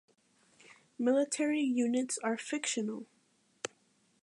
Military units are fictional.